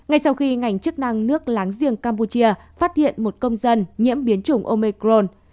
ngay sau khi ngành chức năng nước láng giềng campuchia phát hiện một công dân nhiễm biến chủng omecron